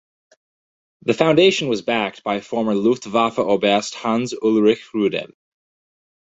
The foundation was backed by former Luftwaffe Oberst Hans-Ulrich Rudel.